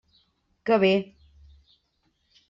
Que bé!